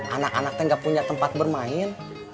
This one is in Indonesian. anak anaknya gak punya tempat bermain